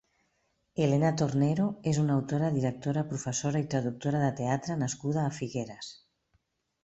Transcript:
Helena Tornero és una autora, directora, professora i traductora de teatre nascuda a Figueres.